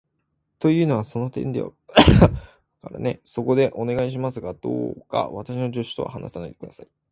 というのは、その点では事はあまりにはっきりしていますからね。そこで、お願いしますが、どうか私の助手とは話をしないで下さい。